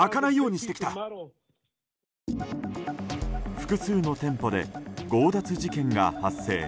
複数の店舗で強奪事件が発生。